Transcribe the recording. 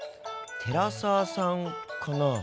寺澤さんかな？